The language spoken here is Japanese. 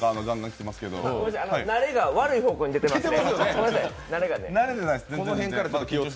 慣れが悪い方向にきてますね。